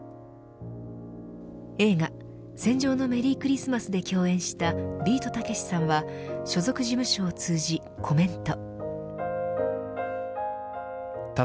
映画戦場のメリークリスマスで共演したビートたけしさんは所属事務所を通じコメント。